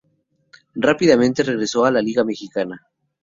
Rápidamente regresó a la liga mexicana.